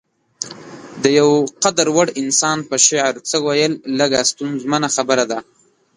د يو قدر وړ انسان په شعر څه ويل لږه ستونزمنه خبره ده.